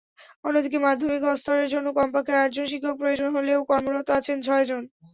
অন্যদিকে মাধ্যমিক স্তরের জন্য কমপক্ষে আটজন শিক্ষক প্রয়োজন হলেও কর্মরত আছেন ছয়জন।